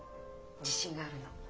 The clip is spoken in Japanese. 自信があるの。